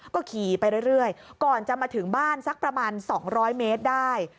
ก็ขี่ไปเรื่อยก่อนจะมาถึงบ้านสักประมาณ๒๐๐เมตรได้